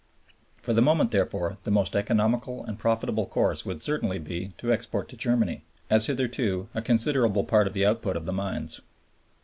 For the moment, therefore, the most economical and profitable course would certainly be to export to Germany, as hitherto, a considerable part of the output of the mines.